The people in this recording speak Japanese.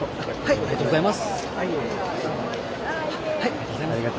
ありがとうございます。